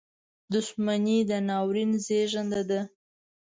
• دښمني د ناورین زیږنده ده.